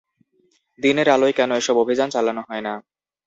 দিনের আলোয় কেন এসব অভিযান চালানো হয় না?